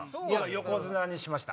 横綱にしました。